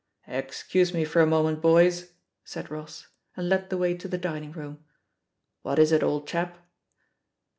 "Excuse me for a moment, boys," said Ross, and led the way to the dining room. "What is it, old chap